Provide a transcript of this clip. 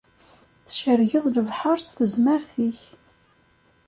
Tcerrgeḍ lebḥer s tezmert-ik.